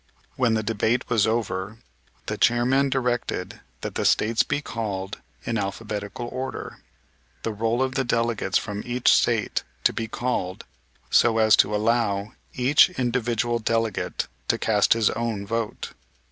When the debate was over the chairman directed that the States be called in alphabetical order, the roll of delegates from each State to be called, so as to allow each individual delegate to cast his own vote.